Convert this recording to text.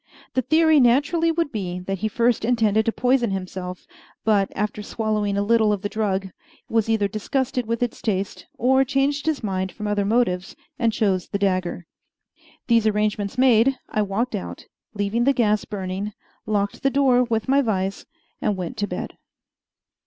The theory naturally would be that he first intended to poison himself, but, after swallowing a little of the drug, was either disgusted with its taste, or changed his mind from other motives, and chose the dagger. These arrangements made, I walked out, leaving the gas burning, locked the door with my vise, and went to bed.